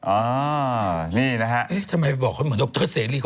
อ่านี่นะฮะเอ๊ะทำไมบอกว่าเหมือนดอกเตอร์เซรี่